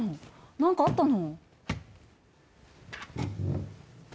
何かあったの？